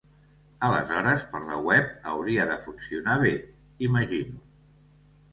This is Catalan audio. Aleshores per la web hauria de funcionar bé imagino.